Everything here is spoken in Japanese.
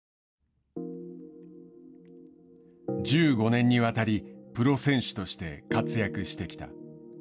１５年にわたりプロ選手として活躍してきた。